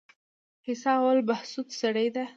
حصه اول بهسود سړه ده؟